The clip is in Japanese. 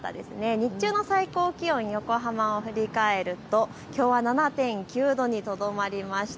日中の最高気温、横浜振り返るときょうは７．９度にとどまりました。